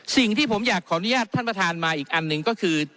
สิ่งที่ผมอยากขออนุญาตท่านประธานมาอีกอันหนึ่งก็คือ